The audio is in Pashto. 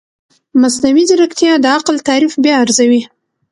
مصنوعي ځیرکتیا د عقل تعریف بیا ارزوي.